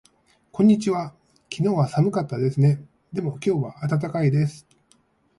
こんにちは。昨日は寒かったですね。でも今日は暖かいです。